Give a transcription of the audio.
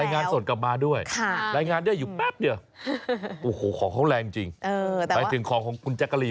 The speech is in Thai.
รายงานส่วนกลับมาด้วยรายงานได้อยู่แป๊บเดี๋ยวของเขาแรงจริงไปถึงของคุณแจ๊กกะรีน